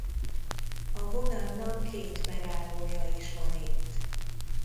A vonalnak két megállója is van itt.